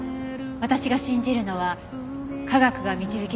私が信じるのは科学が導き出す答えです。